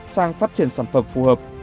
sang phát triển sản phẩm phù hợp